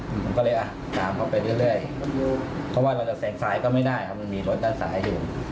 ผมก็เลยอ่ะตามเข้าไปเรื่อยเพราะว่าเราจะแซงซ้ายก็ไม่ได้ครับมันมีรถด้านซ้ายอยู่